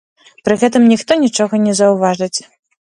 Пры гэтым ніхто нічога не заўважыць.